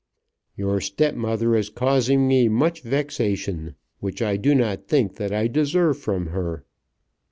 "Your stepmother is causing me much vexation, which I do not think that I deserve from her."